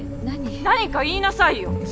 何か言いなさいよ。